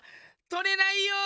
とれないよ！